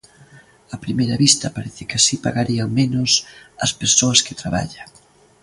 A primeira vista parece que así pagarían menos as persoas que traballan.